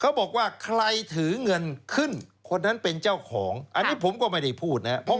เขาบอกว่าใครถือเงินขึ้นคนนั้นเป็นเจ้าของอันนี้ผมก็ไม่ได้พูดนะครับ